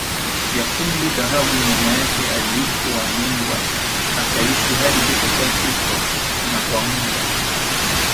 ya fundi dhahabu Mama yake aliitwa Nyanibah akaishi hadi kifo chake na kwa muda